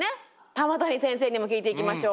玉谷先生にも聞いていきましょう。